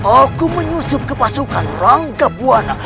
aku menyusup ke pasukan ranggabwana